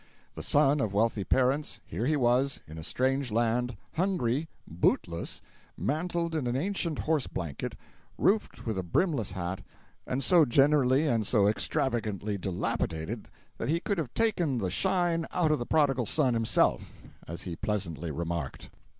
The son of wealthy parents, here he was, in a strange land, hungry, bootless, mantled in an ancient horse blanket, roofed with a brimless hat, and so generally and so extravagantly dilapidated that he could have "taken the shine out of the Prodigal Son himself," as he pleasantly remarked.